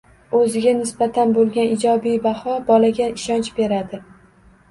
O‘ziga nisbatan bo‘lgan ijobiy baho bolaga ishonch beradi.